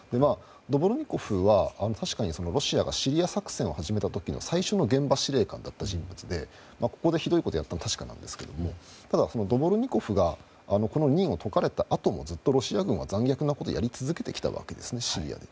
ドボルニコフは、確かにロシアがシリア作戦を始めた時の最初の現場司令官だった人物でここでひどいことをやったのは確かなんですけれどもただ、ドボルニコフがこの任を解かれたあともずっとロシア軍は残虐なことをやり続けたわけですね。